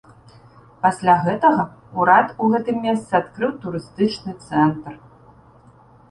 Пасля гэтага ўрад у гэтым месцы адкрыў турыстычны цэнтр.